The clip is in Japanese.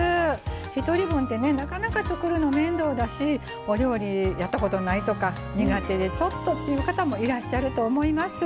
１人分ってねなかなか作るの面倒だしお料理やったことないとか苦手でちょっとっていう方もいらっしゃると思います。